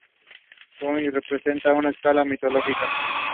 The exhibition space Moira organizes about ten events every year.